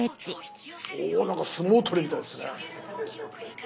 おなんか相撲取りみたいですね。